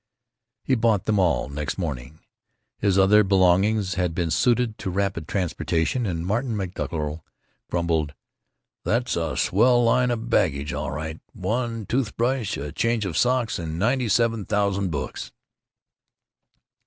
He bought them all next morning. His other belongings had been suited to rapid transportation, and Martin Dockerill grumbled, "That's a swell line of baggage, all right—one tooth brush, a change of socks, and ninety seven thousand books."